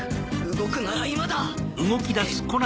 動くなら今だ！